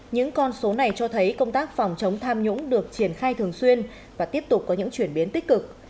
những con số này cho thấy công tác phòng chống tham nhũng được triển khai thường xuyên và tiếp tục có những chuyển biến tích cực